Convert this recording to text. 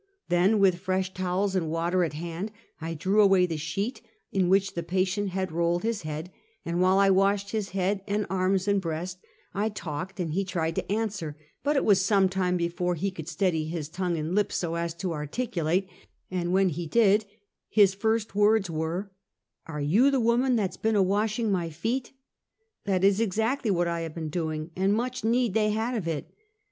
Then with fresh towels and water at liand, I drew away the sheet in which the patient had rolled his head, and while I washed his head and arms and breast, I talked, and he tried to answer; but it was some time before he could steady his tongue and lips so as to articulate, and when he did, his first words were: " Are you the woman that 's been a washin' my feet?" " That is exactly what I have been doing, and much need they had of it.